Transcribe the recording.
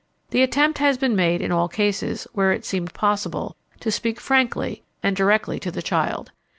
The attempt has been made in all cases where it has seemed possible, to speak frankly and directly to the child.